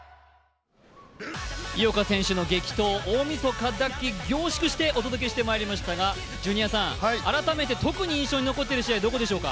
井岡選手の激闘、大みそかだけ凝縮してお伝えしてまいりましたが改めて特に印象に残っている試合はどこでしょうか？